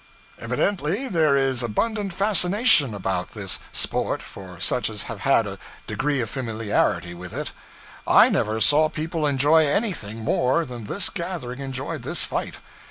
Evidently there is abundant fascination about this 'sport' for such as have had a degree of familiarity with it. I never saw people enjoy anything more than this gathering enjoyed this fight.